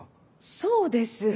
そうです。